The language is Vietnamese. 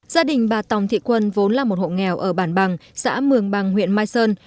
gia đình bà tòng thị quân vốn là một hộ nghèo ở bản bằng xã mường bằng huyện mai sơn